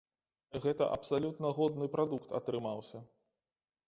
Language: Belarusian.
Гэта абсалютна годны прадукт атрымаўся.